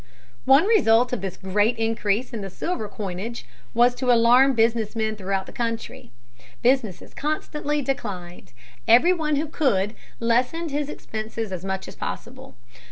One result of this great increase in the silver coinage was to alarm business men throughout the country. Business constantly declined. Every one who could lessened his expenses as much as possible.